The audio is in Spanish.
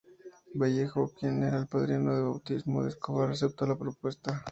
Vallejo, quien era el padrino de bautismo de Escobar, aceptó la propuesta.